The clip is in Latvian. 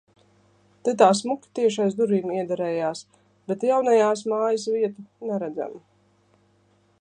Te tā smuki tieši aiz durvīm iederējās, bet jaunajās mājas vietu neredzam...